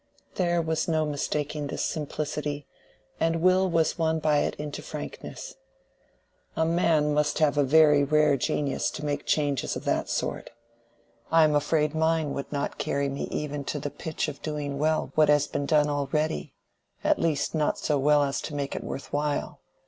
There was no mistaking this simplicity, and Will was won by it into frankness. "A man must have a very rare genius to make changes of that sort. I am afraid mine would not carry me even to the pitch of doing well what has been done already, at least not so well as to make it worth while.